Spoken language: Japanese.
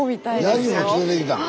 ヤギも連れてきたん